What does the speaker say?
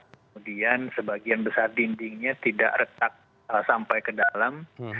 kemudian sebagian besar dindingnya tidak retak sampai ke dalam